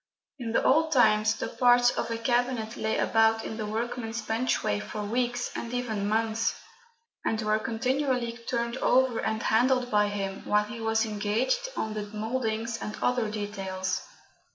In the old times the parts of a cabinet lay about in the workman's benchway for weeks, and even months, and were continually turned over and handled by him while he was engaged on the mouldings and other details.